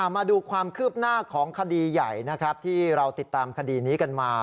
มาดูความคืบหน้าของคดีใหญ่นะครับที่เราติดตามคดีนี้กันมา